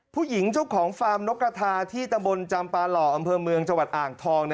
ผู้หญิงเจ้าของฟาร์มนกกระทาที่ตำบลจำปาหล่ออำเภอเมืองจังหวัดอ่างทอง